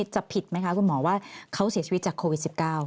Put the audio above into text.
จะผิดไหมคะคุณหมอว่าเขาเสียชีวิตจากโควิด๑๙